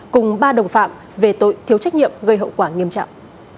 cùng ba đồng phạm về tội thiếu trách nhiệm gây hậu quả nghiêm trọng